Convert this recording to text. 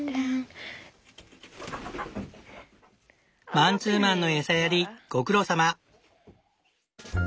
マンツーマンの餌やりご苦労さま！